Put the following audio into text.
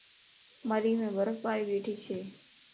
مريءَ مَ برف باري ٻھڻي چھهَ